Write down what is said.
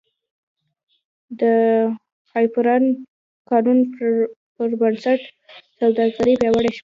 د هیپبرن قانون پربنسټ سوداګري پیاوړې شوه.